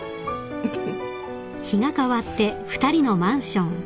フフフ。